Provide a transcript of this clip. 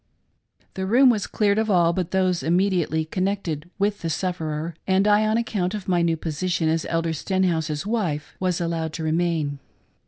The room was cleared of all but those immediately con nected with the sufferer, and I, on account of my new posi tion as Elder Stenhouse's wife, was allowed to remain.